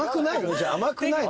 じゃあ甘くないの？